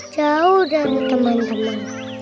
jauh dari teman teman